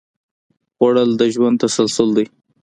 خوړل د ژوند تسلسل دی